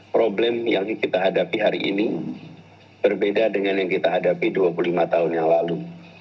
problem yang kita hadapi hari ini berbeda dengan yang kita hadapi dua puluh lima tahun yang lalu